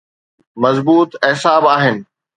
مضبوط اعصاب آهن.